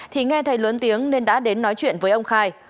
thì nghe thấy lớn tiếng nên đã đến nói chuyện với ông khai